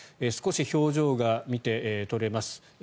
少し表情が見て取れます。